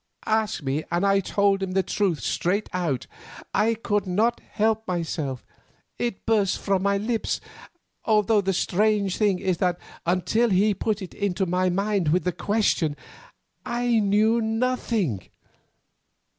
—asked me and I told him the truth straight out. I could not help myself; it burst from my lips, although the strange thing is that until he put it into my mind with the question, I knew nothing.